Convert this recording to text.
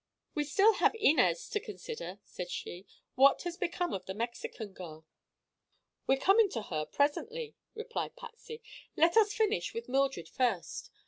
"We have still Inez to consider," said she. "What has become of the Mexican girl?" "We are coming to her presently," replied Patsy. "Let us finish with Mildred first.